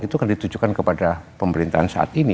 itu akan ditujukan kepada pemerintahan saat ini